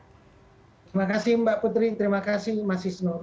terima kasih mbak putri terima kasih mas isnur